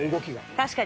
確かに。